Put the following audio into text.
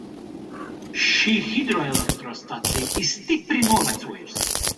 Šī hidroelektrostacija ir stipri novecojusi.